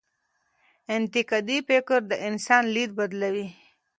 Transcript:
انتقادي فکر د انسان لید بدلوي.